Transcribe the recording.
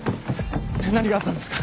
何があったんですか？